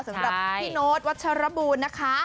สำหรับพี่โน๊ตวัชรบูลนะคะ